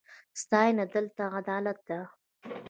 ستاینه دلته عادت ده.